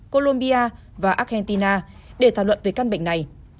colombia và argentina để thảo luận về căn bệnh này